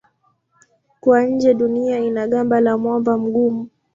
Kwa nje Dunia ina gamba la mwamba mgumu.